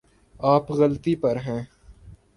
آپ غلطی پر ہیں